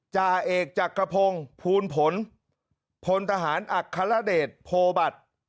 จ่าเอกจักรพงศ์ภูลผลพลพลทหารอัครเดชโพบัตร